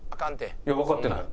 いやわかってない。